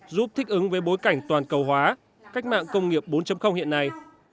giúp thích ứng với bối cảnh toàn cầu hóa cách mạng công nghiệp bốn hiện nay